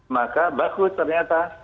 maka bagus ternyata